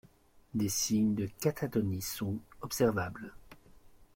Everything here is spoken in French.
Des signes de catatonie sont observables.